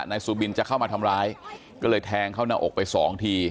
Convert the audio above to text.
ซูบินจะเข้ามาทำร้ายก็เลยแทงเข้าหน้าอกไปสองที